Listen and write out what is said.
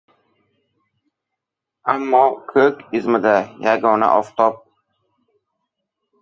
Ammo ko‘k izmida yagona oftob –